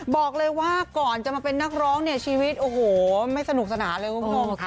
บอกเลยว่าก่อนจะมาเป็นนักร้องเนี่ยชีวิตโอ้โหไม่สนุกสนานเลยคุณผู้ชม